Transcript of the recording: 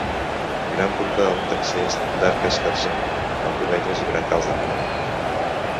Gran portal d'accés d'arc escarser amb dovelles i brancals de pedra.